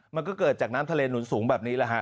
มันก็เกิดจากน้ำทะเลหนุนสูงแบบนี้แหละฮะ